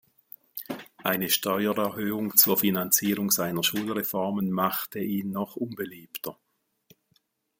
Eine Steuererhöhung zur Finanzierung seiner Schulreformen machte ihn noch unbeliebter.